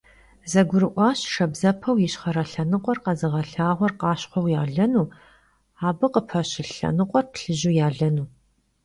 Zegurı'uaş şşabzepeu yişxhere lhenıkhuer khezığelhağuer khaşxhueu yalenu, abı khıpeşılh lhenıkhuer plhıju yalenu.